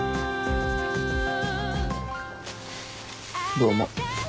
どうも。